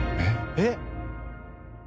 えっ？